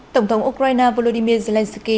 tổng thống ukraine volodymyr zelenskyy